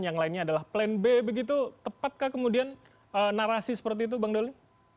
yang lainnya adalah plan b begitu tepatkah kemudian narasi seperti itu bang doli